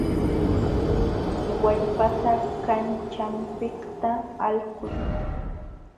Wallpata kanćhanpiqta alquy.